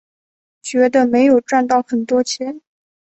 觉得没有赚到很多钱